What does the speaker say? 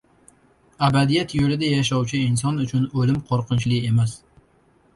Abadiyat yo‘lida yashovchi in-son uchun o‘lim qo‘rqinchli emas.